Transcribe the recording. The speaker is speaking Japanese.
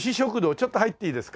ちょっと入っていいですか？